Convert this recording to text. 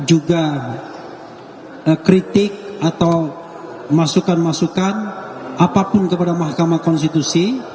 juga kritik atau masukan masukan apapun kepada mahkamah konstitusi